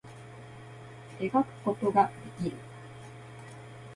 絵描くことができる